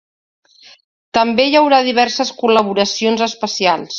També hi haurà diverses col·laboracions especials.